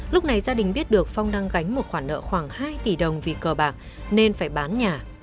lúc này gia đình biết được phong đang gánh một khoản nợ khoảng hai tỷ đồng vì cờ bạc nên phải bán nhà